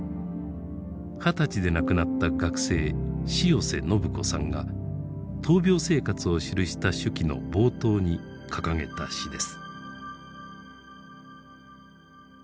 二十歳で亡くなった学生塩瀬信子さんが闘病生活を記した手記の冒頭に掲げた詩です。